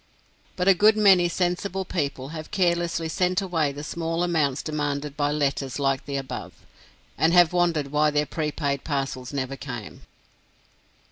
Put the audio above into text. But a good many sensible people have carelessly sent away the small amounts demanded by letters like the above, and have wondered why their prepaid parcels never came.